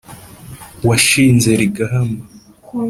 washinze rigahama